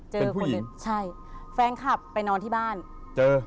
เป็นผู้หญิงใช่แฟนคลับไปนอนที่บ้านเจอ